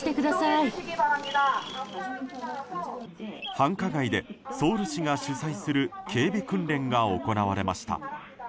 繁華街でソウル市が主催する警備訓練が行われました。